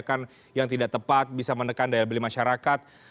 kebijakan yang tidak tepat bisa menekan daya beli masyarakat